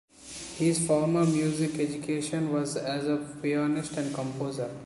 His formal music education was as a pianist and composer.